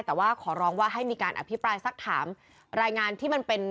แต่ว่าขอร้องว่าให้มีการอภิปรายสักถามรายงานที่มันเป็น